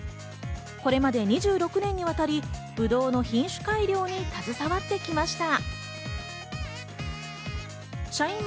これまでに１６年にわたりぶどうの品種改良に携わってきました。